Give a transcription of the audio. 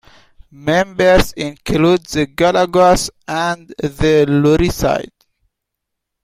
Members include the galagos and the lorisids.